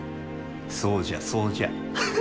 そうじゃそうじゃ。